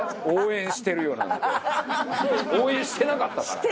応援してるよなんて応援してなかったから。